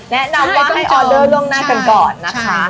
แนะนำว่าให้ออเดอร์ล่วงหน้ากันก่อนนะคะ